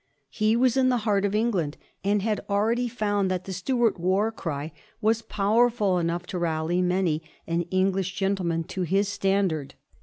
He was in the heart of England, and had already found that the Stuart war cry was powerful enough to rally many an English gentleman to his standard.